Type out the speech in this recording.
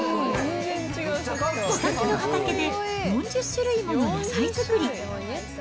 自宅の畑で４０種類もの野菜作り。